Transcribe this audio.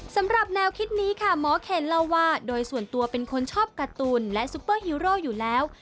สำหรับแนวคิดนี้ค่ะหมอเคนเล่าว่าโดยส่วนตัวเป็นคนชอบการ์ตูนและซุปเปอร์ฮีโร่อยู่แล้ว